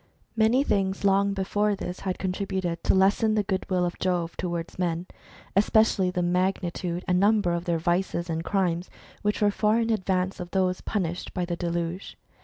Many things long before this had contributed to lessen the goodwill of Jove towards men, especially the magni tude and number of their vices and crimes, which were far in advance of those punished by the deluge.